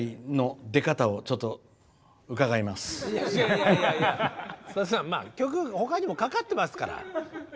いやいやいやさださん曲他にもかかってますから。